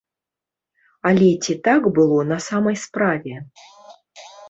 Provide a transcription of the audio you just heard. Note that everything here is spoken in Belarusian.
Але ці так было на самай справе?